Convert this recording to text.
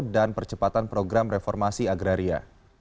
percepatan program reformasi agraria